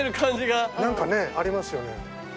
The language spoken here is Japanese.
・何かねありますよね。